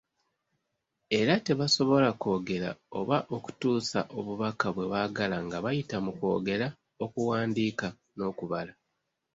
Era tebasobola kwogera oba okutuusa obubaka bwe baagala nga bayita mu kwogera, okuwandiika n’okubala.